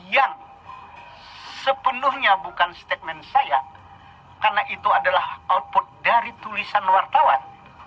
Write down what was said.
yang sepenuhnya bukan statement saya karena itu adalah output dari tulisan wartawan